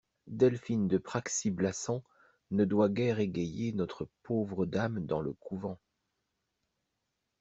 Delphine de Praxi-Blassans ne doit guère égayer notre pauvre dame dans le couvent.